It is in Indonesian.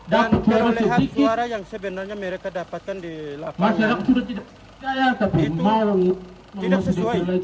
perolehan suara yang sebenarnya mereka dapatkan di lapangan itu tidak sesuai